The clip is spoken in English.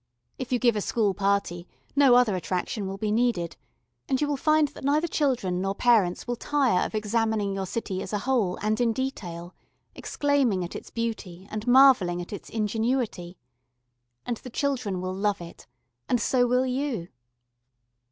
If you give a school party no other attraction will be needed, and you will find that neither children nor parents will tire of examining your city as a whole and in detail, exclaiming at its beauty and marvelling at its ingenuity. And the children will love it. And so will you.